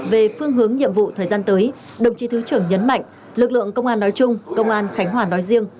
về phương hướng nhiệm vụ thời gian tới đồng chí thứ trưởng nhấn mạnh lực lượng công an nói chung công an khánh hòa nói riêng